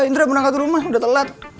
indra mau nangkat rumah udah telat